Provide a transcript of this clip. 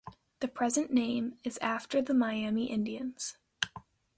The present name is after the Miami Indians.